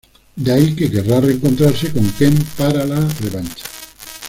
De ahí, que querrá reencontrarse con Ken para la revancha.